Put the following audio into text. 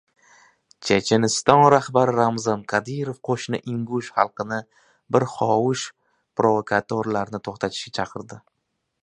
Checheniston rahbari Ramzan Qodirov qo‘shni ingush xalqini “bir hovuch provokatorlarni” to‘xtatishga chaqirdi